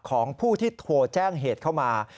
ของผู้ที่โทรแจ้งเหตุเข้ามา